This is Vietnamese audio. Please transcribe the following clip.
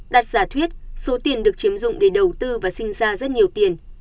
đạt giả thuyết số tiền được chiếm dụng để đầu tư và sinh ra rất nhiều tiền